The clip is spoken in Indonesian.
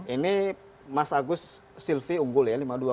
ini mas agus silvi unggul ya